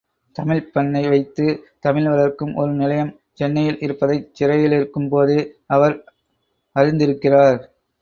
தமிழ்ப் பண்ணை வைத்து தமிழ் வளர்க்கும் ஒரு நிலையம் சென்னையில் இருப்பதைச் சிறையிலிருக்கும் போதே அவர் அறிந்திருக்கிறார்.